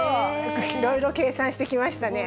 いろいろ計算してきましたね。